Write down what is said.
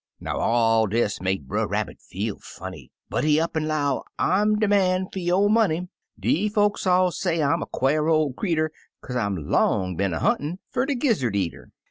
Now, all dis make Brer Rabbit feel funny, But he up an' 'low, "I'm de man fer yo' money; De folks all say I'm a quare ol' creetur, Kaze I'm long been a huntin' fer de Gizzard Eater.